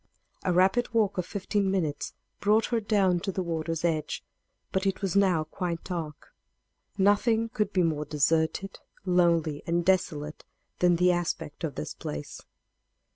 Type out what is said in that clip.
A rapid walk of fifteen minutes brought her down to the water's edge. But it was now quite dark. Nothing could be more deserted, lonely and desolate than the aspect of this place.